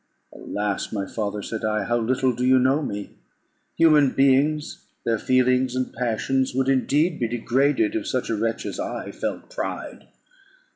"Alas! my father," said I, "how little do you know me. Human beings, their feelings and passions, would indeed be degraded if such a wretch as I felt pride.